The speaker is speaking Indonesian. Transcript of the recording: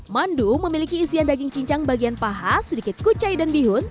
mandu memiliki isian daging cincang bagian paha sedikit kucai dan bihun